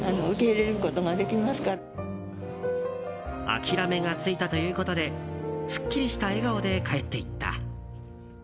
諦めがついたということですっきりした笑顔で帰っていった。